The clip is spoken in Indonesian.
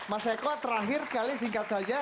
mas eko terakhir sekali singkat saja